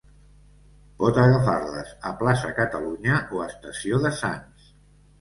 Pot agafar-les a Plaça Catalunya o Estació de Sants.